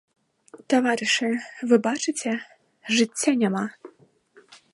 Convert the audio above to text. Таварышы, вы бачыце, жыцця няма.